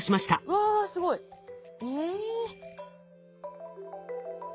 わすごい。え？